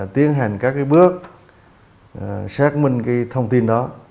tiến hành các bước xác minh thông tin đó